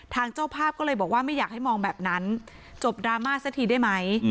เจ้าภาพก็เลยบอกว่าไม่อยากให้มองแบบนั้นจบดราม่าสักทีได้ไหม